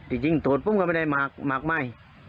โดยจริงผมก็ไม่ได้บอกประมาณ